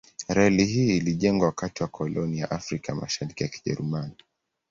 Reli hii ilijengwa wakati wa koloni ya Afrika ya Mashariki ya Kijerumani.